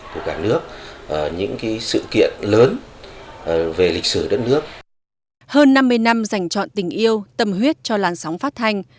hơn năm mươi năm dành chọn tình yêu tâm huyết cho làn sóng phát thanh